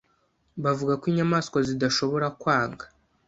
Bavuga ko inyamaswa zidashobora kwanga.